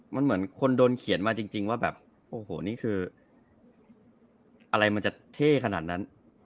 มันเหมือนคนโดนเขียนมาจริงว่าแบบโอ้โหนี่คืออะไรมันจะเท่ขนาดนั้น